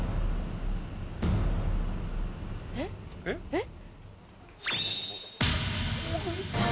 えっ！？